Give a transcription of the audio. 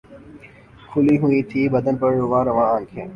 کھُلی ہوئی تھیں بدن پر رُواں رُواں آنکھیں